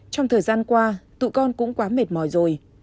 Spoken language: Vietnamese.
trong thời gian qua tụ con cũng quá mệt mỏi rồi